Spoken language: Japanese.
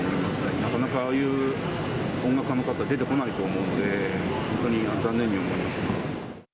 なかなかああいう音楽家の方、出てこないと思うので、本当に残念に思います。